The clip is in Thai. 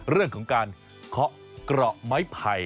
เรื่องของการเคาะเกราะไม้ไผ่